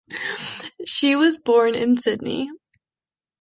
She was born in Sydney.